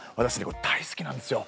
これ大好きなんですよ。